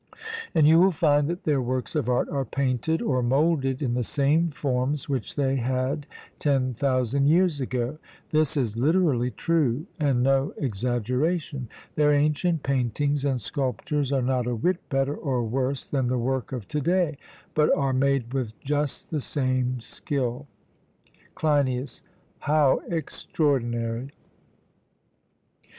And you will find that their works of art are painted or moulded in the same forms which they had ten thousand years ago; this is literally true and no exaggeration, their ancient paintings and sculptures are not a whit better or worse than the work of to day, but are made with just the same skill. CLEINIAS: How extraordinary!